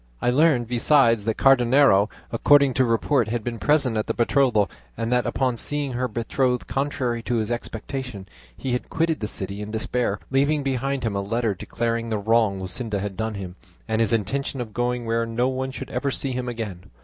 I learned besides that Cardenio, according to report, had been present at the betrothal; and that upon seeing her betrothed contrary to his expectation, he had quitted the city in despair, leaving behind him a letter declaring the wrong Luscinda had done him, and his intention of going where no one should ever see him again.